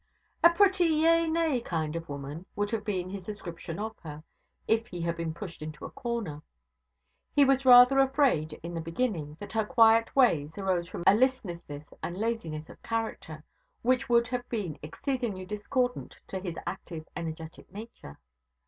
'A pretty, yea nay kind of woman', would have been his description of her, if he had been pushed into a corner. He was rather afraid, in the beginning, that her quiet ways arose from a listlessness and laziness of character, which would have been exceedingly discordant to his active, energetic nature.